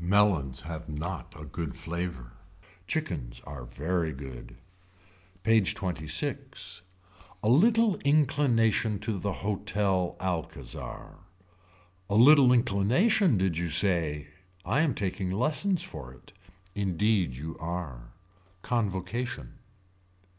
Melons have not a good flavor. Chickens are very good. PAGE XXVI. A little inclination to the hotel Alcazar. A little inclination did you say I am taking lessons for it. Indeed you are. Convocation.